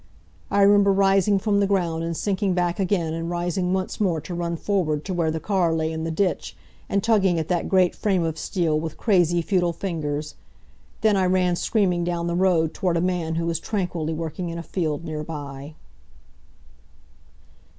I remember rising from the ground, and sinking back again and rising once more to run forward to where the car lay in the ditch, and tugging at that great frame of steel with crazy, futile fingers. Then I ran screaming down the road toward a man who was tranquilly working in a field nearby.